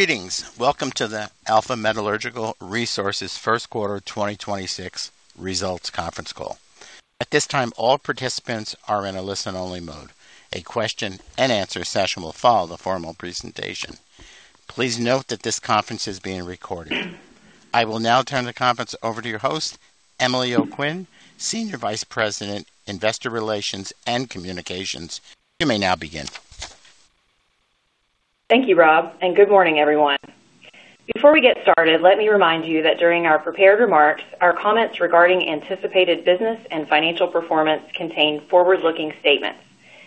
Greetings. Welcome to the Alpha Metallurgical Resources first quarter 2026 results conference call. At this time, all participants are in a listen-only mode. A question and answer session will follow the formal presentation. Please note that this conference is being recorded. I will now turn the conference over to your host, Emily O'Quinn, Senior Vice President, Investor Relations and Communications. You may now begin. Thank you, Rob. Good morning, everyone. Before we get started, let me remind you that during our prepared remarks, our comments regarding anticipated business and financial performance contain forward-looking statements,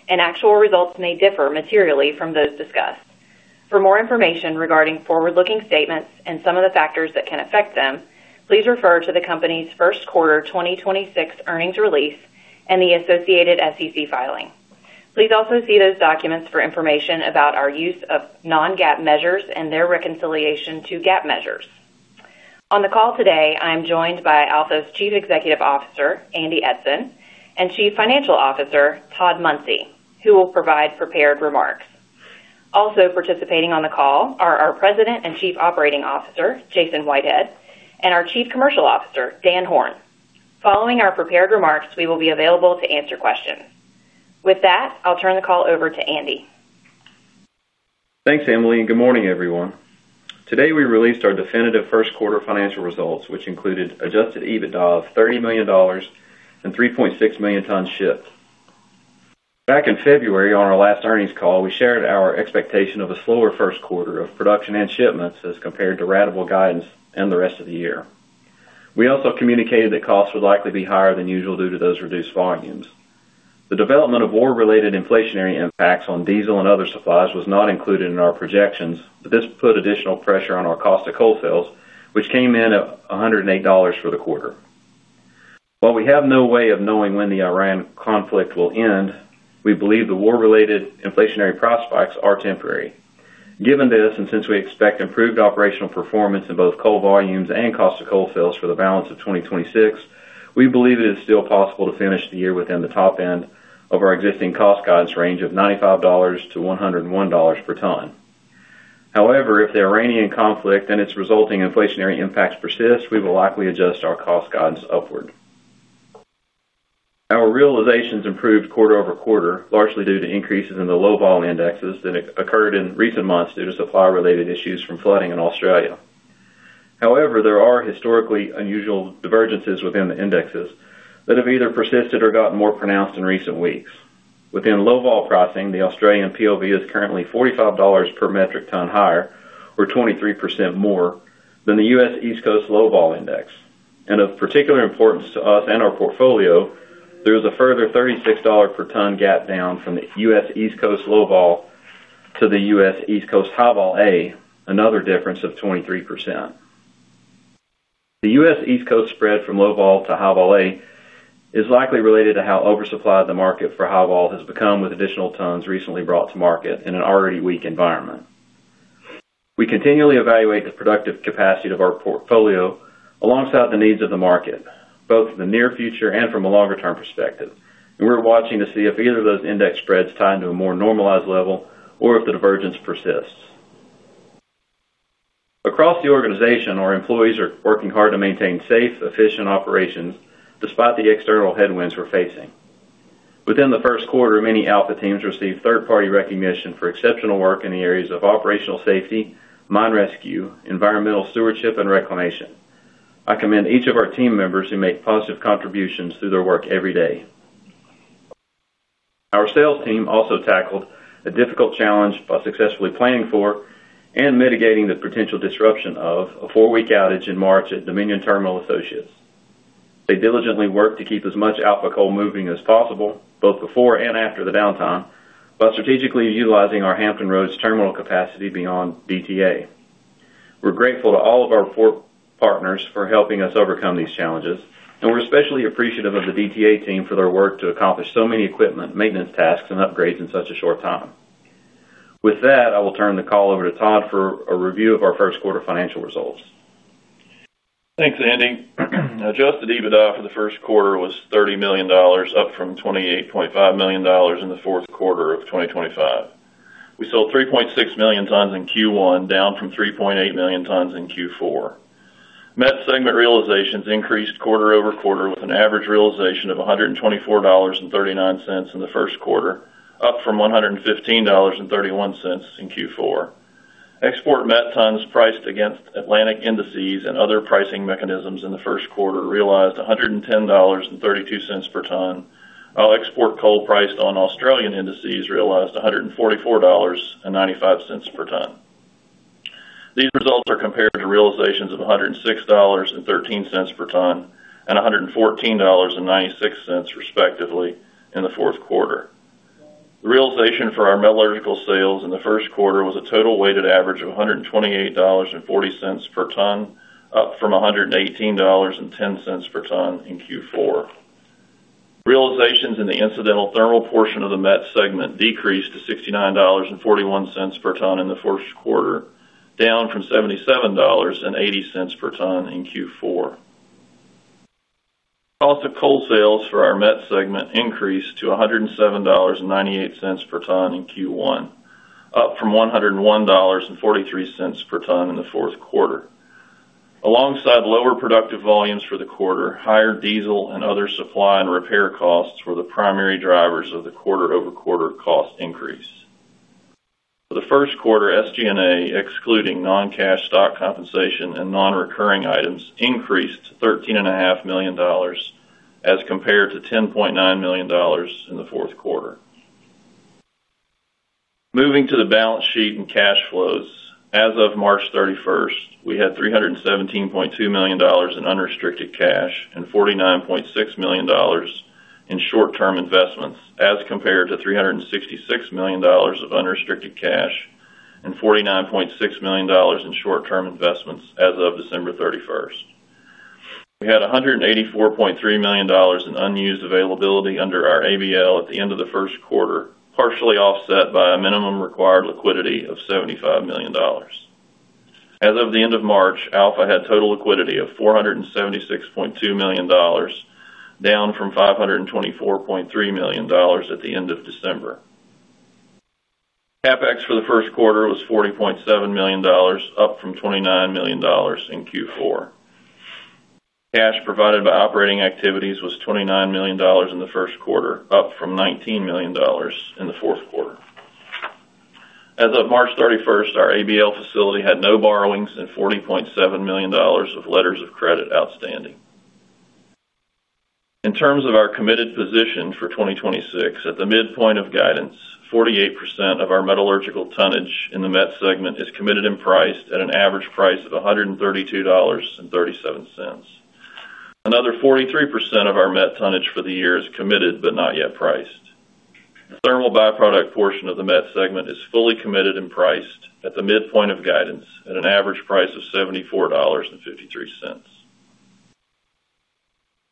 and actual results may differ materially from those discussed. For more information regarding forward-looking statements and some of the factors that can affect them, please refer to the company's first quarter 2026 earnings release and the associated SEC filing. Please also see those documents for information about our use of non-GAAP measures and their reconciliation to GAAP measures. On the call today, I am joined by Alpha's Chief Executive Officer, Andy Eidson, and Chief Financial Officer, Todd Munsey, who will provide prepared remarks. Also participating on the call are our President and Chief Operating Officer, Jason Whitehead, and our Chief Commercial Officer, Dan Horn. Following our prepared remarks, we will be available to answer questions. With that, I'll turn the call over to Andy. Thanks, Emily, and good morning, everyone. Today, we released our definitive first quarter financial results, which included adjusted EBITDA of $30 million and 3.6 million tons shipped. Back in February, on our last earnings call, we shared our expectation of a slower first quarter of production and shipments as compared to ratable guidance and the rest of the year. We also communicated that costs would likely be higher than usual due to those reduced volumes. The development of war-related inflationary impacts on diesel and other supplies was not included in our projections. This put additional pressure on our cost of coal sales, which came in at $108 for the quarter. While we have no way of knowing when the Iran conflict will end, we believe the war-related inflationary prospects are temporary. Given this, since we expect improved operational performance in both coal volumes and cost of coal sales for the balance of 2026, we believe it is still possible to finish the year within the top end of our existing cost guidance range of $95 to $101 per ton. If the Iranian conflict and its resulting inflationary impacts persist, we will likely adjust our cost guidance upward. Our realizations improved quarter-over-quarter, largely due to increases in the low vol indexes that occurred in recent months due to supply-related issues from flooding in Australia. There are historically unusual divergences within the indexes that have either persisted or gotten more pronounced in recent weeks. Within low vol pricing, the Australian PLV is currently $45 per metric ton higher or 23% more than the U.S. East Coast low vol index. Of particular importance to us and our portfolio, there is a further $36 per ton gap down from the U.S. East Coast Low Vol to the U.S. East Coast High Vol A, another difference of 23%. The U.S. East Coast spread from Low Vol to High Vol A is likely related to how oversupplied the market for High Vol has become with additional tons recently brought to market in an already weak environment. We continually evaluate the productive capacity of our portfolio alongside the needs of the market, both in the near future and from a longer-term perspective. We're watching to see if either of those index spreads tie into a more normalized level or if the divergence persists. Across the organization, our employees are working hard to maintain safe, efficient operations despite the external headwinds we're facing. Within the first quarter, many Alpha teams received third-party recognition for exceptional work in the areas of operational safety, mine rescue, environmental stewardship, and reclamation. I commend each of our team members who make positive contributions through their work every day. Our sales team also tackled a difficult challenge by successfully planning for and mitigating the potential disruption of a four-week outage in March at Dominion Terminal Associates. They diligently worked to keep as much Alpha coal moving as possible, both before and after the downtime, while strategically utilizing our Hampton Roads terminal capacity beyond DTA. We're grateful to all of our port partners for helping us overcome these challenges, and we're especially appreciative of the DTA team for their work to accomplish so many equipment maintenance tasks and upgrades in such a short time. With that, I will turn the call over to Todd for a review of our first quarter financial results. Thanks, Andy. adjusted EBITDA for the first quarter was $30 million, up from $28.5 million in the fourth quarter of 2025. We sold 3.6 million tons in Q1, down from 3.8 million tons in Q4. Met segment realizations increased quarter-over-quarter with an average realization of $124.39 in the first quarter, up from $115.31 in Q4. Export met tons priced against Atlantic indices and other pricing mechanisms in the first quarter realized $110.32 per ton, while export coal priced on Australian indices realized $144.95 per ton. These results are compared to realizations of $106.13 per ton and $114.96 respectively in the fourth quarter. The realization for our metallurgical sales in the first quarter was a total weighted average of $128.40 per ton, up from $118.10 per ton in Q4. Realizations in the incidental thermal portion of the Met segment decreased to $69.41 per ton in the first quarter, down from $77.80 per ton in Q4. cost of coal sales for our Met segment increased to $107.98 per ton in Q1, up from $101.43 per ton in the fourth quarter. Alongside lower productive volumes for the quarter, higher diesel and other supply and repair costs were the primary drivers of the quarter-over-quarter cost increase. For the first quarter, SG&A, excluding non-cash stock compensation and non-recurring items, increased $13.5 million as compared to $10.9 million in the fourth quarter. Moving to the balance sheet and cash flows. As of March 31st, we had $317.2 million in unrestricted cash and $49.6 million in short-term investments, as compared to $366 million of unrestricted cash and $49.6 million in short-term investments as of December 31st. We had $184.3 million in unused availability under our ABL at the end of the first quarter, partially offset by a minimum required liquidity of $75 million. As of the end of March, Alpha had total liquidity of $476.2 million, down from $524.3 million at the end of December. CapEx for the first quarter was $40.7 million, up from $29 million in Q4. Cash provided by operating activities was $29 million in the first quarter, up from $19 million in the fourth quarter. As of March 31st, our ABL facility had no borrowings and $40.7 million of letters of credit outstanding. In terms of our committed position for 2026, at the midpoint of guidance, 48% of our metallurgical tonnage in the Met segment is committed and priced at an average price of $132.37. Another 43% of our Met tonnage for the year is committed but not yet priced. The thermal byproduct portion of the Met segment is fully committed and priced at the midpoint of guidance at an average price of $74.53.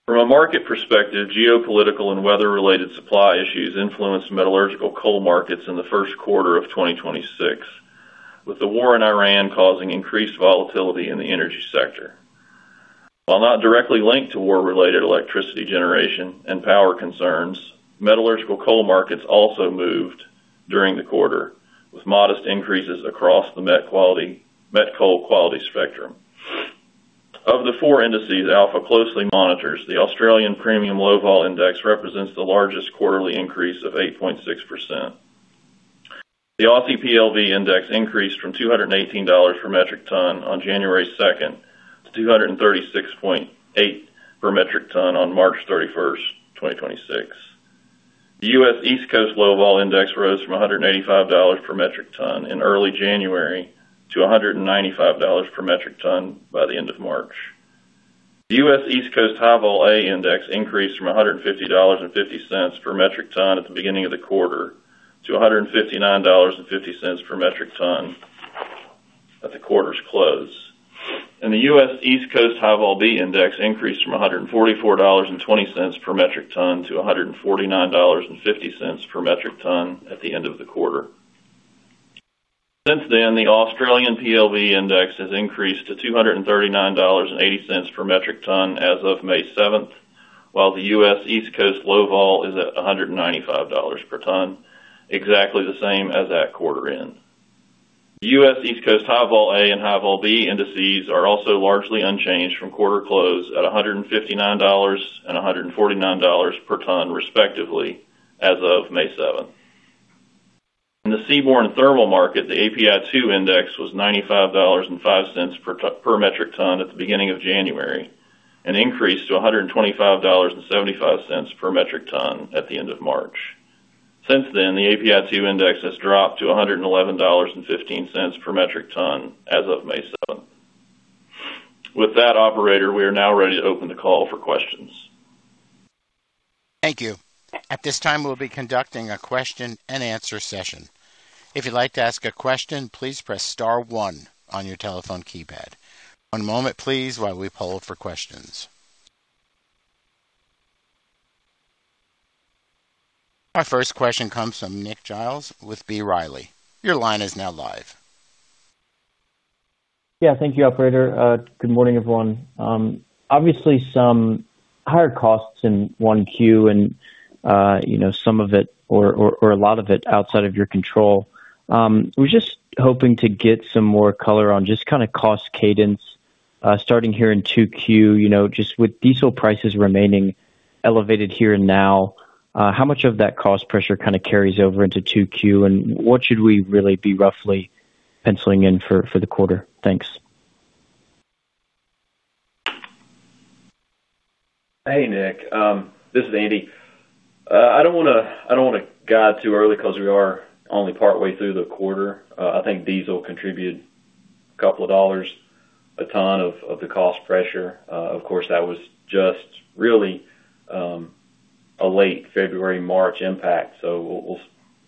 From a market perspective, geopolitical and weather-related supply issues influenced metallurgical coal markets in the first quarter of 2026, with the war in Iran causing increased volatility in the energy sector. While not directly linked to war-related electricity generation and power concerns, metallurgical coal markets also moved during the quarter, with modest increases across the Met coal quality spectrum. Of the four indices Alpha closely monitors, the Australian Premium Low Vol Index represents the largest quarterly increase of 8.6%. The AU PLV Index increased from $218 per metric ton on January 2nd to $236.8 per metric ton on March 31st, 2026. The US East Coast Low Vol Index rose from $185 per metric ton in early January to $195 per metric ton by the end of March. The US East Coast High Vol A Index increased from $150.50 per metric ton at the beginning of the quarter to $159.50 per metric ton at the quarter's close. The US East Coast High Vol B Index increased from $144.20 per metric ton to $149.50 per metric ton at the end of the quarter. Since then, the Australian PLV Index has increased to $239.80 per metric ton as of May 7th, while the US East Coast Low Vol is at $195 per ton, exactly the same as at quarter end. The US East Coast High Vol A and High Vol B indices are also largely unchanged from quarter close at $159 and $149 per ton, respectively, as of May seventh. In the seaborne thermal market, the API2 index was $95.05 per metric ton at the beginning of January, and increased to $125.75 per metric ton at the end of March. The API2 index has dropped to $111.15 per metric ton as of May seventh. With that, operator, we are now ready to open the call for questions. Thank you. At this time, we'll be conducting a question-and-answer session. If you'd like to ask a question, please press star one on your telephone keypad. One moment, please, while we poll for questions. Our first question comes from Nick Giles with B. Riley. Your line is now live. Yeah. Thank you, operator. Good morning, everyone. Obviously some higher costs in 1Q, you know, some of it or a lot of it outside of your control. We're just hoping to get some more color on just kinda cost cadence starting here in 2Q. You know, just with diesel prices remaining elevated here and now, how much of that cost pressure kinda carries over into 2Q, what should we really be roughly penciling in for the quarter? Thanks. Hey, Nick. This is Andy. I don't wanna, I don't wanna guide too early 'cause we are only partway through the quarter. I think diesel contributed a couple of dollars a ton of the cost pressure. Of course, that was just really a late February-March impact. We'll,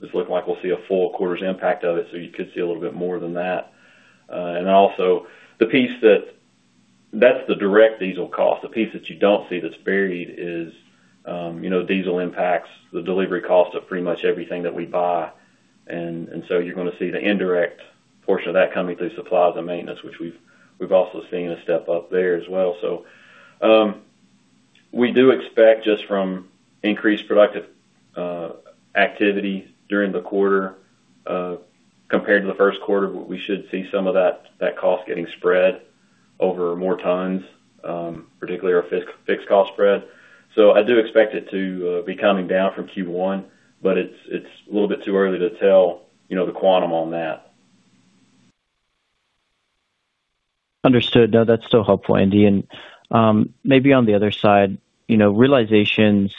it's looking like we'll see a full quarter's impact of it, so you could see a little bit more than that. Also the piece that's the direct diesel cost. The piece that you don't see that's buried is You know, diesel impacts the delivery cost of pretty much everything that we buy. You're gonna see the indirect portion of that coming through supplies and maintenance, which we've also seen a step up there as well. We do expect just from increased productive activity during the quarter, compared to the first quarter, we should see some of that cost getting spread over more tons, particularly our fixed cost spread. I do expect it to be coming down from Q1, but it's a little bit too early to tell, you know, the quantum on that. Understood. That's so helpful, Andy. Maybe on the other side, you know, realizations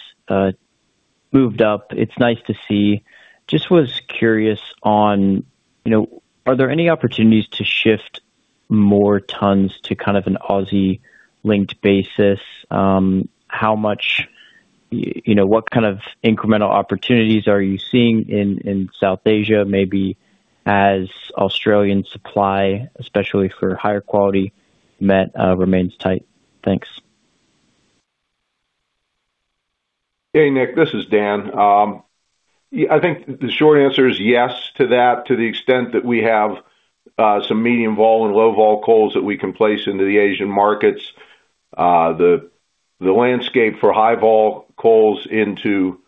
moved up. It's nice to see. Just was curious on, you know, are there any opportunities to shift more tons to kind of an Aussie linked basis? You know, what kind of incremental opportunities are you seeing in South Asia, maybe as Australian supply, especially for higher quality met, remains tight? Thanks. Hey, Nick, this is Dan. Yeah, I think the short answer is yes to that, to the extent that we have some medium vol and low vol coals that we can place into the Asian markets. The landscape for high vol coals into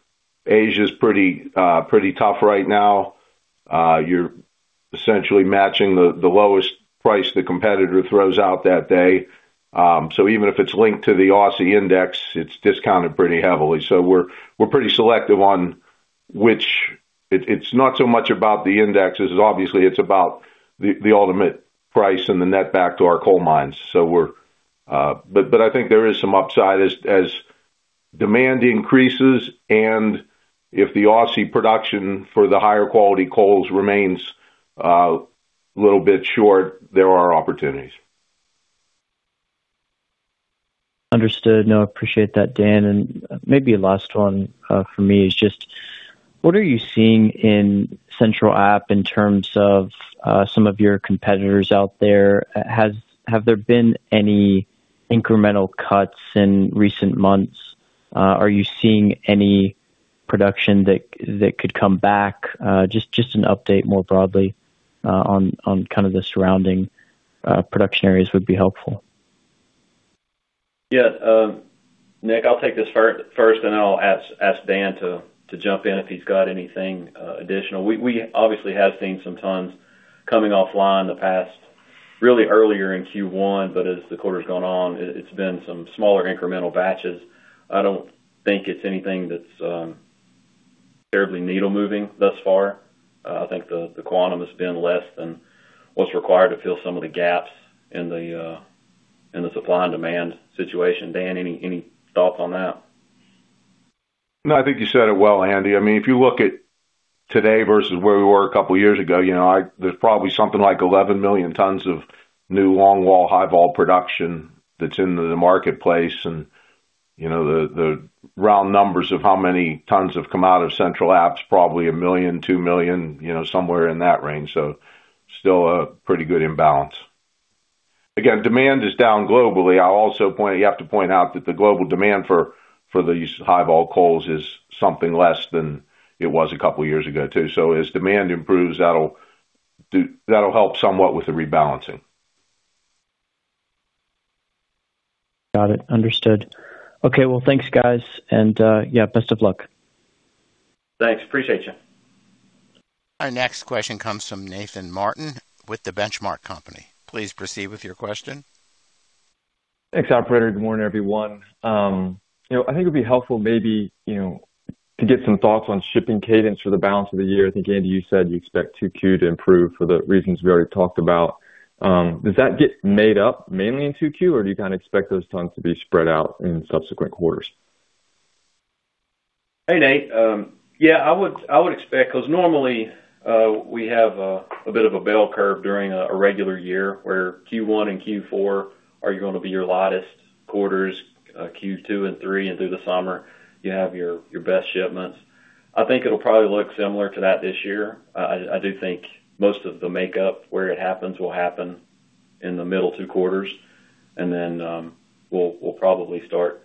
Asia is pretty tough right now. You're essentially matching the lowest price the competitor throws out that day. Even if it's linked to the Aussie index, it's discounted pretty heavily. We're pretty selective on which it's not so much about the indexes. Obviously, it's about the ultimate price and the net back to our coal mines. But I think there is some upside as demand increases, and if the Aussie production for the higher quality coals remains a little bit short, there are opportunities. Understood. No, appreciate that, Dan. Maybe last one for me is just what are you seeing in Central App in terms of some of your competitors out there? Have there been any incremental cuts in recent months? Are you seeing any production that could come back? Just an update more broadly on kind of the surrounding production areas would be helpful. Yeah. Nick, I'll take this first, and I'll ask Dan to jump in if he's got anything additional. We obviously have seen some tons coming offline the past really earlier in Q1, but as the quarter's gone on, it's been some smaller incremental batches. I don't think it's anything that's terribly needle moving thus far. I think the quantum has been less than what's required to fill some of the gaps in the supply and demand situation. Dan, any thoughts on that? No, I think you said it well, Andy. I mean, if you look at today versus where we were a couple of years ago, you know, there's probably something like 11 million tons of new longwall, High Vol production that's in the marketplace. You know, the round numbers of how many tons have come out of Central App's probably 1 million, 2 million, you know, somewhere in that range. Still a pretty good imbalance. Again, demand is down globally. I'll also point out that the global demand for these High Vol coals is something less than it was a couple of years ago, too. As demand improves, that'll help somewhat with the rebalancing. Got it. Understood. Okay. Well, thanks, guys. Yeah, best of luck. Thanks. Appreciate you. Our next question comes from Nathan Martin with The Benchmark Company. Please proceed with your question. Thanks, operator. Good morning, everyone. You know, I think it'd be helpful maybe, you know, to get some thoughts on shipping cadence for the balance of the year. I think, Andy, you said you expect 2Q to improve for the reasons we already talked about. Does that get made up mainly in 2Q, or do you kind of expect those tons to be spread out in subsequent quarters? Hey, Nate. Yeah, I would expect because normally, we have a bit of a bell curve during a regular year where Q1 and Q4 are gonna be your lightest quarters. Q2 and Q3, and through the summer, you have your best shipments. I think it'll probably look similar to that this year. I do think most of the makeup where it happens will happen in the middle two quarters. We'll probably start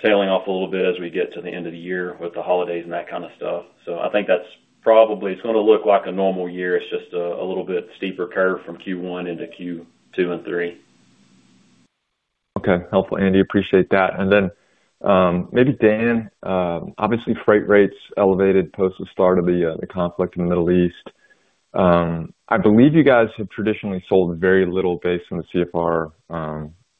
tailing off a little bit as we get to the end of the year with the holidays and that kind of stuff. It's gonna look like a normal year. It's just a little bit steeper curve from Q1 into Q2 and Q3. Okay. Helpful, Andy. Appreciate that. Maybe Dan, obviously, freight rates elevated post the start of the conflict in the Middle East. I believe you guys have traditionally sold very little based on the CFR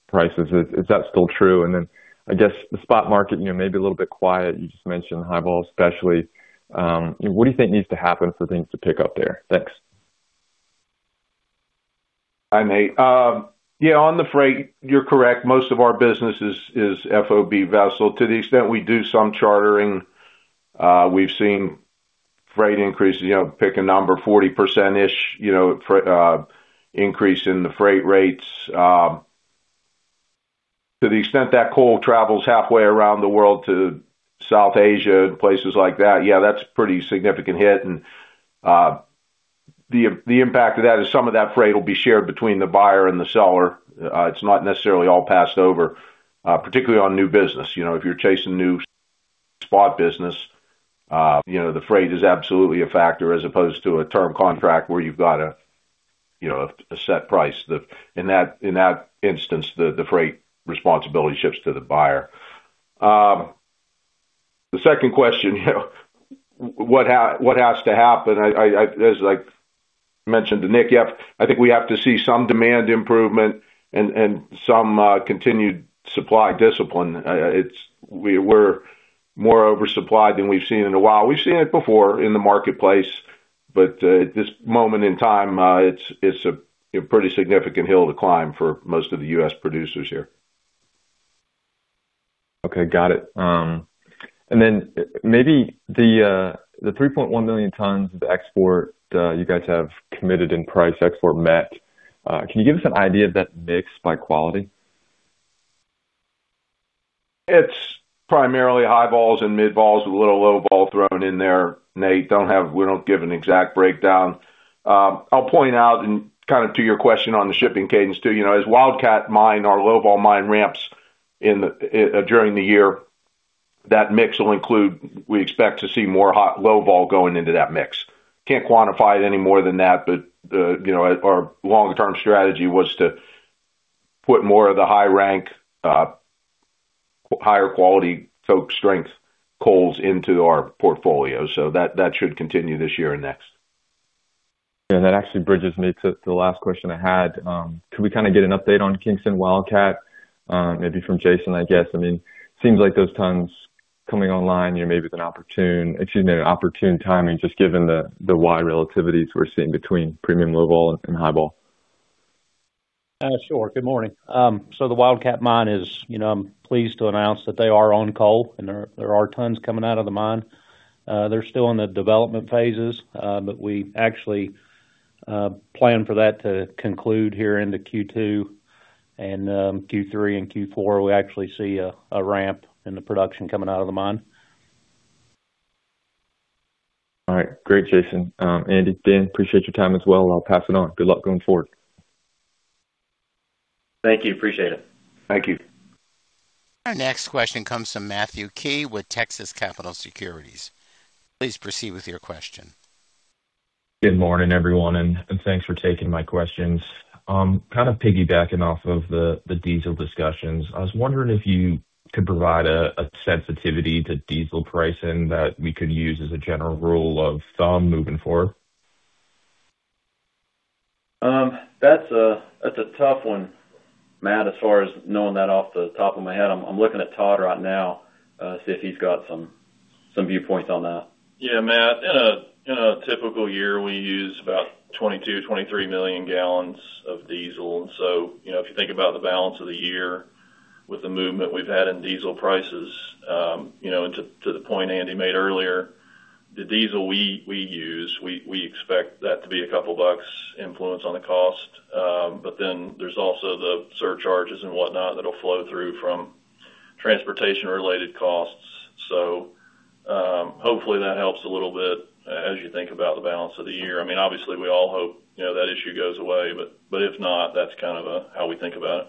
prices. Is that still true? I guess the spot market, you know, may be a little bit quiet. You just mentioned high vol, especially. What do you think needs to happen for things to pick up there? Thanks. Hi, Nate. Yeah, on the freight, you're correct. Most of our business is FOB vessel. To the extent we do some chartering, we've seen freight increases, you know, pick a number, 40%-ish, you know, increase in the freight rates. To the extent that coal travels halfway around the world to South Asia and places like that, yeah, that's a pretty significant hit. The impact of that is some of that freight will be shared between the buyer and the seller. It's not necessarily all passed over, particularly on new business. You know, if you're chasing new spot business, you know, the freight is absolutely a factor as opposed to a term contract where you've got a, you know, a set price that in that instance, the freight responsibility shifts to the buyer. The second question, you know, what has to happen? I, as I mentioned to Nick, I think we have to see some demand improvement and some continued supply discipline. We're more oversupplied than we've seen in a while. We've seen it before in the marketplace, but at this moment in time, it's a, you know, pretty significant hill to climb for most of the U.S. producers here. Okay. Got it. Maybe the 3.1 million tons of export, you guys have committed in price export met. Can you give us an idea of that mix by quality? It's primarily high vols and mid vols with a little low vol thrown in there, Nate. We don't give an exact breakdown. I'll point out and kind of to your question on the shipping cadence too. You know, as Wildcat Mine, our low-vol mine ramps during the year, we expect to see more low vol going into that mix. Can't quantify it any more than that, but, you know, our long-term strategy was to put more of the high rank, higher quality coke strength coals into our portfolio. That should continue this year and next. Yeah, that actually bridges me to the last question I had. Could we kind of get an update on Kingston Wildcat, maybe from Jason, I guess? I mean, seems like those tons coming online, you know, maybe it's an opportune timing just given the wide relativities we're seeing between premium low vol and high vol. Sure. Good morning. The Wildcat Mine is, you know, I'm pleased to announce that they are on coal and there are tons coming out of the mine. They're still in the development phases, but we actually plan for that to conclude here into Q2 and Q3 and Q4, we actually see a ramp in the production coming out of the mine. All right. Great, Jason. Andy, Dan, appreciate your time as well. I'll pass it on. Good luck going forward. Thank you. Appreciate it. Thank you. Our next question comes from Matthew Key with Texas Capital Securities. Please proceed with your question. Good morning, everyone, and thanks for taking my questions. Kind of piggybacking off of the diesel discussions. I was wondering if you could provide a sensitivity to diesel pricing that we could use as a general rule of thumb moving forward? That's a tough one, Matt, as far as knowing that off the top of my head. I'm looking at Todd right now, see if he's got some viewpoints on that. Yeah, Matt. In a typical year, we use about 22, 23 million gallons of diesel. If you think about the balance of the year with the movement we've had in diesel prices, to the point Andy made earlier, the diesel we use, we expect that to be a couple dollars influence on the cost. There's also the surcharges and whatnot that'll flow through from transportation-related costs. Hopefully, that helps a little bit as you think about the balance of the year. Obviously, we all hope that issue goes away, but if not, that's kind of how we think about it.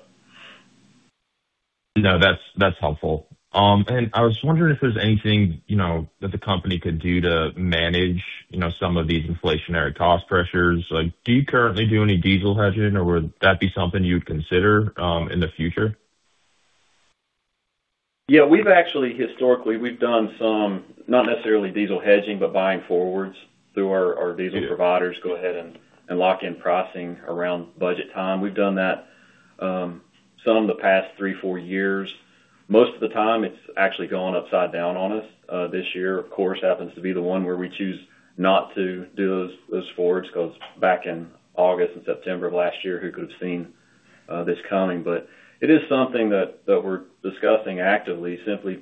No, that's helpful. I was wondering if there's anything, you know, that the company could do to manage, you know, some of these inflationary cost pressures. Like, do you currently do any diesel hedging, or would that be something you would consider in the future? We've actually historically we've done some, not necessarily diesel hedging, but buying forwards through our diesel providers. Go ahead and lock in pricing around budget time. We've done that, some of the past three, four years. Most of the time it's actually gone upside down on us. This year, of course, happens to be the one where we choose not to do those forwards because back in August and September of last year, who could have seen this coming? It is something that we're discussing actively simply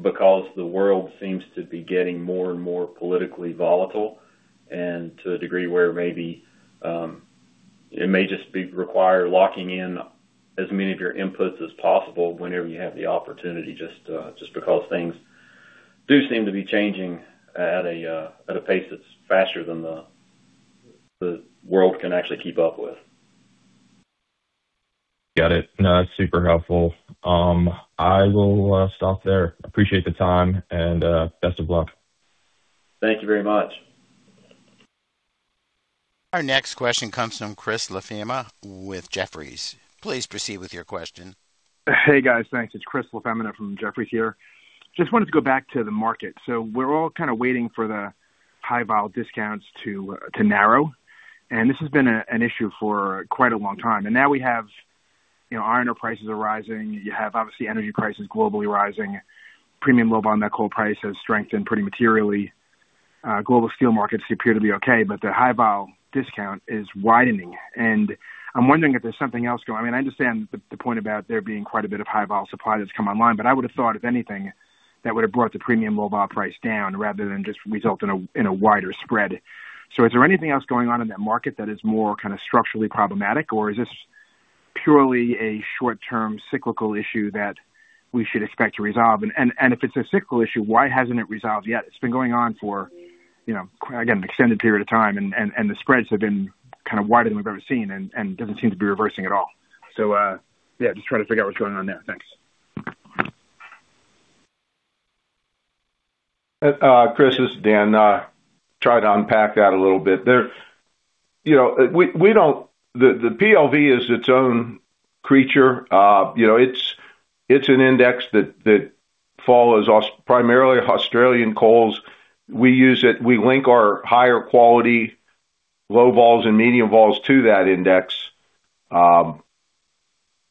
because the world seems to be getting more and more politically volatile and to a degree where maybe, it may just require locking in as many of your inputs as possible whenever you have the opportunity just because things do seem to be changing at a pace that's faster than the world can actually keep up with. Got it. No, that's super helpful. I will stop there. Appreciate the time, and best of luck. Thank you very much. Our next question comes from Chris LaFemina with Jefferies. Please proceed with your question. Hey, guys. Thanks. It's Chris LaFemina from Jefferies here. Just wanted to go back to the market. We're all kind of waiting for the High Vol discounts to narrow. This has been an issue for quite a long time. Now we have, you know, iron prices are rising. You have, obviously, energy prices globally rising. Premium Low Vol met coal price has strengthened pretty materially. Global steel markets appear to be okay, but the High Vol discount is widening. I'm wondering if there's something else going. I mean, I understand the point about there being quite a bit of High Vol supply that's come online, but I would have thought if anything, that would have brought the Premium Low Vol price down rather than just result in a wider spread. Is there anything else going on in that market that is more kind of structurally problematic, or is this purely a short-term cyclical issue that we should expect to resolve. If it's a cyclical issue, why hasn't it resolved yet? It's been going on for, you know, again, an extended period of time, and the spreads have been kind of wider than we've ever seen and doesn't seem to be reversing at all. Yeah, just trying to figure out what's going on there. Thanks. Chris, this is Dan. Try to unpack that a little bit. You know, the PLV is its own creature. You know, it's an index that primarily follows Australian coals. We use it. We link our higher quality low vols and medium vols to that index.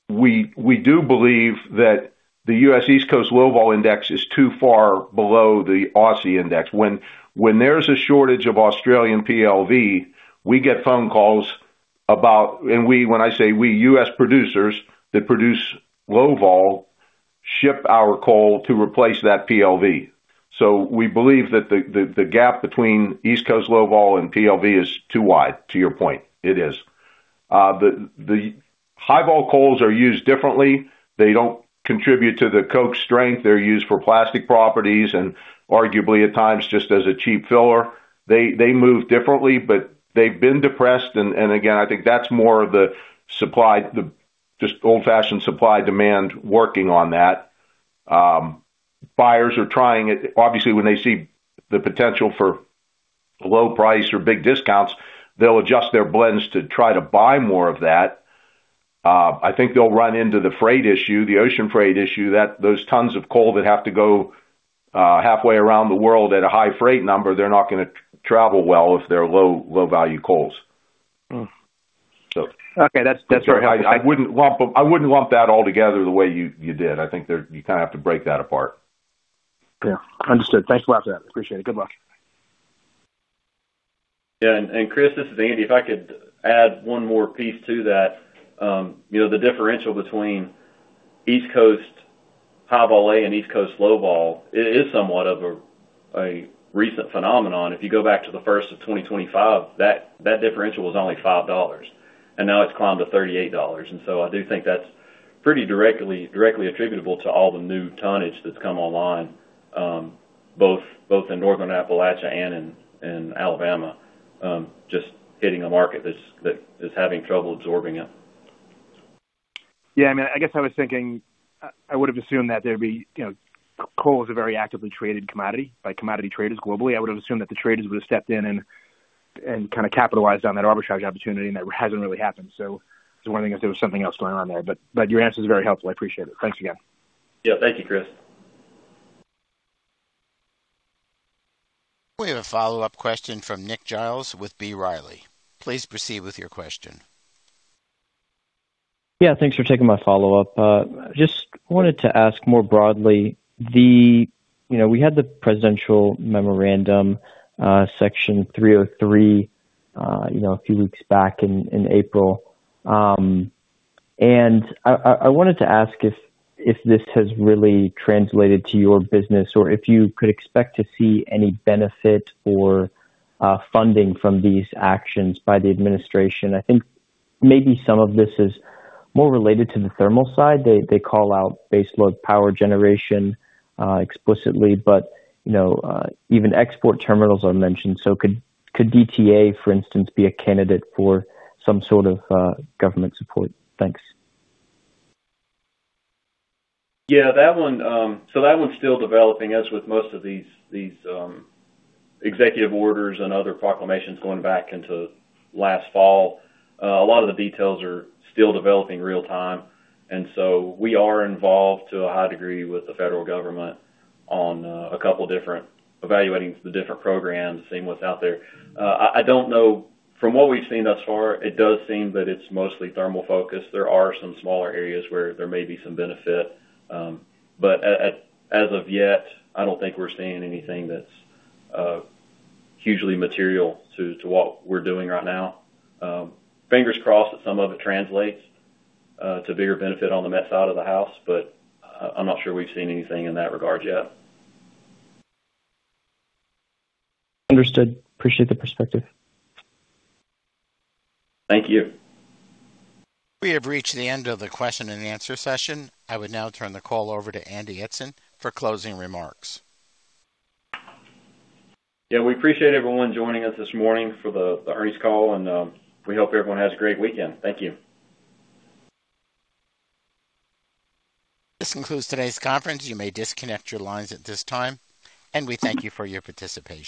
We do believe that the U.S. East Coast Low Vol Index is too far below the Aussie index. When there's a shortage of Australian PLV, we get phone calls about. We, when I say we, U.S. producers that produce low-volatile, ship our coal to replace that PLV. We believe that the gap between East Coast low-volatile and PLV is too wide, to your point. It is. The high-volatile coals are used differently. They don't contribute to the coke strength. They're used for plastic properties and arguably at times just as a cheap filler. They move differently, but they've been depressed and again, I think that's more of the supply, the just old-fashioned supply-demand working on that. Buyers are trying it. Obviously, when they see the potential for low price or big discounts, they'll adjust their blends to try to buy more of that. I think they'll run into the freight issue, the ocean freight issue, that those tons of coal that have to go halfway around the world at a high freight number, they're not gonna travel well if they're low, low-value coals. Okay. That's helpful. I wouldn't lump that all together the way you did. I think you kind of have to break that apart. Yeah. Understood. Thanks for that. Appreciate it. Good luck. Yeah. Chris, this is Andy. If I could add one more piece to that. You know, the differential between East Coast High Vol A and East Coast Low Vol is somewhat of a recent phenomenon. If you go back to the first of 2025, that differential was only $5, now it's climbed to $38. I do think that's pretty directly attributable to all the new tonnage that's come online, both in Northern Appalachia and in Alabama, just hitting a market that is having trouble absorbing it. Yeah. I mean, I guess I was thinking, I would have assumed that there'd be, you know, coal is a very actively traded commodity by commodity traders globally. I would have assumed that the traders would have stepped in and kind of capitalized on that arbitrage opportunity, and that hasn't really happened. I was wondering if there was something else going on there. Your answer is very helpful. I appreciate it. Thanks again. Yeah. Thank you, Chris. We have a follow-up question from Nick Giles with B. Riley. Please proceed with your question. Yeah. Thanks for taking my follow-up. I just wanted to ask more broadly, you know, we had the presidential memorandum, Section 303, you know, a few weeks back in April. I wanted to ask if this has really translated to your business or if you could expect to see any benefit or funding from these actions by the administration. I think maybe some of this is more related to the thermal side. They call out baseload power generation explicitly, but, you know, even export terminals are mentioned. Could DTA, for instance, be a candidate for some sort of government support? Thanks. Yeah, that one, that one's still developing. As with most of these executive orders and other proclamations going back into last fall, a lot of the details are still developing real-time. We are involved to a high degree with the federal government on evaluating the different programs, seeing what's out there. I don't know. From what we've seen thus far, it does seem that it's mostly thermal-focused. There are some smaller areas where there may be some benefit. As of yet, I don't think we're seeing anything that's hugely material to what we're doing right now. Fingers crossed that some of it translates to bigger benefit on the met side of the house, I'm not sure we've seen anything in that regard yet. Understood. Appreciate the perspective. Thank you. We have reached the end of the question and answer session. I would now turn the call over to Andy Eidson for closing remarks. Yeah. We appreciate everyone joining us this morning for the earnings call, and we hope everyone has a great weekend. Thank you. This concludes today's conference. You may disconnect your lines at this time, and we thank you for your participation.